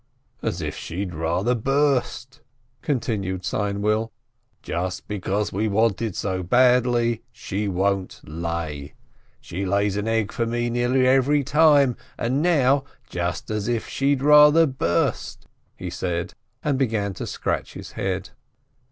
"As if she'd rather burst !" continued Seinwill. "Just because we want it so badly, she won't lay. She lays an egg for me nearly every time, and now — just as if she'd rather burst!" he said, and began to scratch his head.